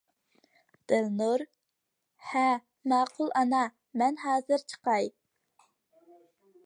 دىلنۇر: ھە ماقۇل ئانا، مەن ھازىر چىقاي.